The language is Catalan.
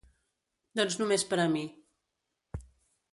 Doncs només per a mi.